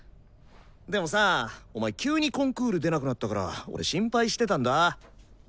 でもさお前急にコンクール出なくなったから俺心配してたんだ。